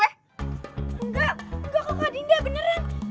enggak enggak kok kak dinda beneran